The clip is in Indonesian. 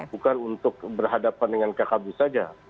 bukan untuk berhadapan dengan kakak kakak saja